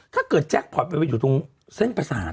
ถ้าเกิดแจ็คพอดไปอยู่ตรงเส้นประสาท